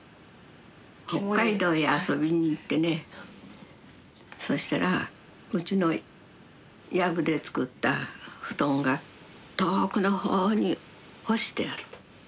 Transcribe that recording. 北海道へ遊びに行ってねそしたらうちの夜具で作った布団が遠くの方に干してある。